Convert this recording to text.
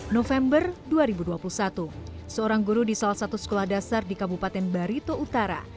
november dua ribu dua puluh satu seorang guru di salah satu sekolah dasar di kabupaten barito utara